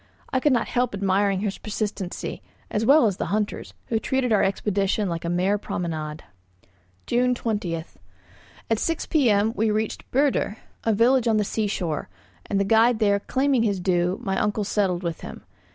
I could not help admiring his persistency, as well as the hunter's, who treated our expedition like a mere promenade. June 20. At six p.m. we reached Büdir, a village on the sea shore; and the guide there claiming his due, my uncle settled with him.